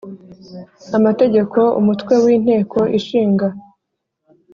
Amategeko Umutwe w Inteko Ishinga